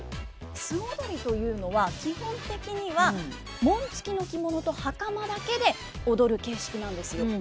素踊りというのは基本的には紋付きの着物と袴だけで踊る形式なんですよ。